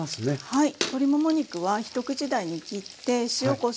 はい。